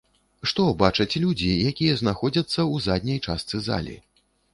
Што бачаць людзі, якія знаходзяцца ў задняй частцы залі?